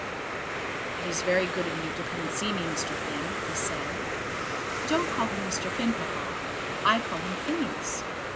"It is very good of you to come and see me, Mr. Finn," he said. "Don't call him Mr. Finn, Papa. I call him Phineas."